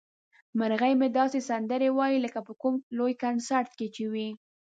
مرغۍ مې داسې سندرې وايي لکه په کوم لوی کنسرت کې چې وي.